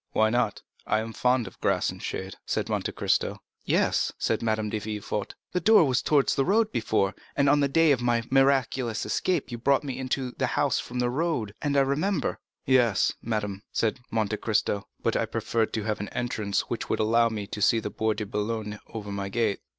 "Why not? I am fond of grass and shade," said Monte Cristo. "Yes," said Madame de Villefort, "the door was towards the road before, and on the day of my miraculous escape you brought me into the house from the road, I remember." "Yes, madame," said Monte Cristo; "but I preferred having an entrance which would allow me to see the Bois de Boulogne over my gate."